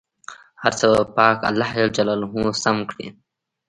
هر څه به پاک الله جل جلاله سم کړي.